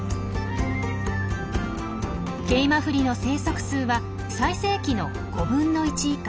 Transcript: ケイマフリの生息数は最盛期の５分の１以下。